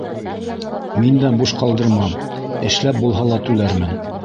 Мин дә буш ҡалдырмам, эшләп булһа ла түләрмен.